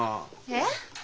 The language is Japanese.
えっ？